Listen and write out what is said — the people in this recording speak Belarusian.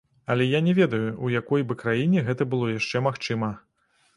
Але я не ведаю, у якой бы краіне гэта было яшчэ магчыма.